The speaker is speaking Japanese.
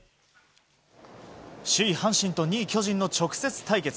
首位、阪神と２位、巨人の直接対決。